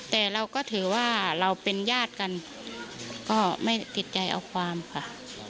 แต่เราก็ถือว่าเราเป็นญาติกันก็ไม่ติดใจเอาความค่ะ